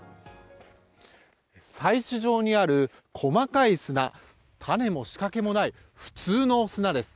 採取場にある細かい砂種も仕掛けもない普通の砂です。